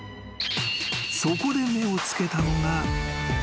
［そこで目を付けたのが］